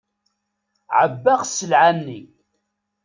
Ɛebbaɣ sselɛa-nni.